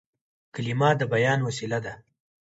کلیمه د بیان وسیله ده.